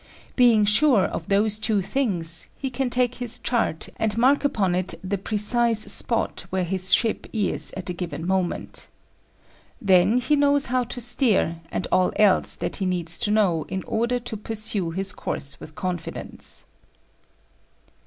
Being sure of those two things, he can take his chart and mark upon it the precise spot where his ship is at a given moment. Then he knows how to steer, and all else that he needs to know in order to pursue his course with confidence.